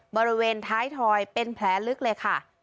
บริเวณท้ายถอยเป็นแผลลึกเลยค่ะ